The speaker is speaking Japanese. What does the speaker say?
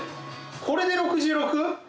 これで６６？